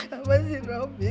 sama si robi